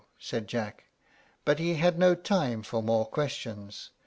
said Jack; but he had no time for more questions.